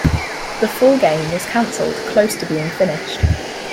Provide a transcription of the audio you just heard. The full game was cancelled close to being finished.